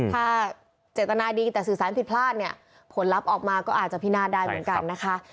ถ้าเจตนาดีแต่สื่อสารผิดพลาดเนี่ยผลลัพธ์ออกมาก็อาจจะพินาศได้เหมือนกันนะคะ